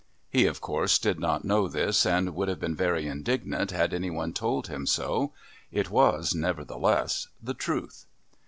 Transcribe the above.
He, of course, did not know this and would have been very indignant had any one told him so; it was nevertheless the truth.